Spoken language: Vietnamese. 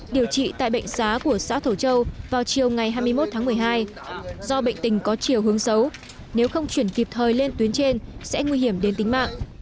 điều trị tại bệnh xá của xã thổ châu vào chiều ngày hai mươi một tháng một mươi hai do bệnh tình có chiều hướng xấu nếu không chuyển kịp thời lên tuyến trên sẽ nguy hiểm đến tính mạng